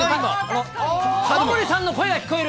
タモリさんの声？